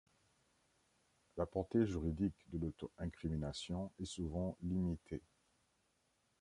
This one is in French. La portée juridique de l'auto-incrimination est souvent limitée.